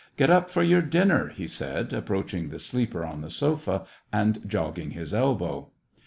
Get up for your dinner," he said, approaching the sleeper on the sofa, and jogging his elbow.